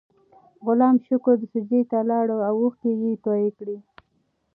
غلام د شکر سجدې ته لاړ او اوښکې یې تویې کړې.